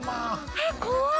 えっ怖い！